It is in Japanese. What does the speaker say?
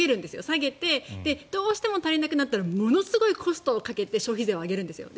下げてどうしても足りなくなったらものすごいコストをかけて消費税を上げるんです。